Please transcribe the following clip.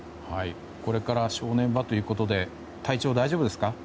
これから正念場ということで体調は大丈夫ですか？